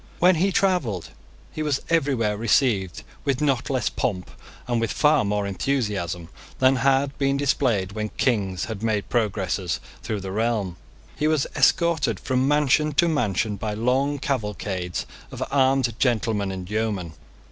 When he travelled, he was everywhere received with not less pomp, and with far more enthusiasm, than had been displayed when Kings had made progresses through the realm. He was escorted from mansion to mansion by long cavalcades of armed gentlemen and yeomen.